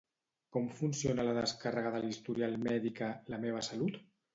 Com funciona la descàrrega de l'historial mèdic a La meva Salut?